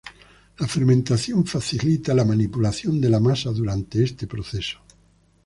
La fermentación facilita la manipulación de la masa durante este proceso.